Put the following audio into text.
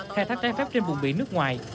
khai thác trái phép trên vùng biển nước ngoài